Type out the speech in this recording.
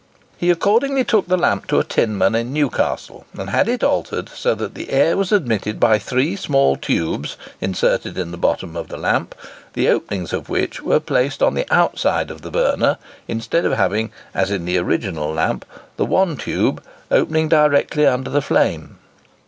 He accordingly took the lamp to a tinman in Newcastle, and had it altered so that the air was admitted by three small tubes inserted in the bottom of the lamp, the openings of which were placed on the outside of the burner, instead of having (as in the original lamp) the one tube opening directly under the flame.